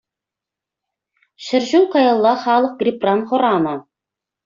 Ҫӗр ҫул каялла халӑх гриппран хӑранӑ.